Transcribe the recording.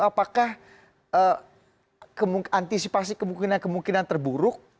apakah antisipasi kemungkinan kemungkinan terburuk